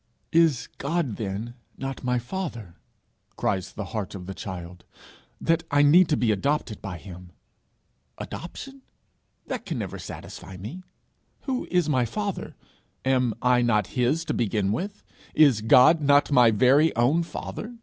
'Is God then not my Father,' cries the heart of the child, 'that I need to be adopted by him? Adoption! that can never satisfy me. Who is my father? Am I not his to begin with? Is God not my very own Father?